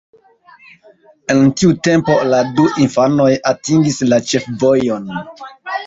En tiu tempo la du infanoj atingis la ĉefvojon.